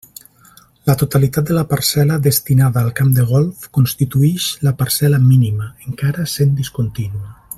La totalitat de la parcel·la destinada al camp de golf constituïx la parcel·la mínima, encara sent discontínua.